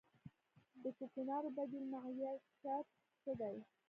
د کوکنارو بدیل معیشت څه دی؟